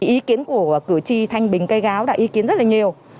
ý kiến của cử tri thanh bình cây gáo đã ý kiến rất là nhiều